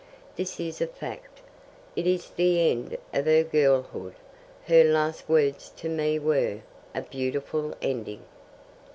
This is a fact. It is the end of her girlhood. Her last words to me were, 'A beautiful ending.'"